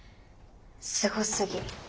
すごすぎ。